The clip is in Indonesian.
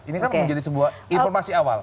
ini kan menjadi sebuah informasi awal